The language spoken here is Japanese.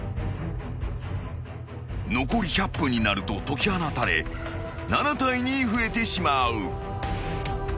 ［残り１００分になると解き放たれ７体に増えてしまう］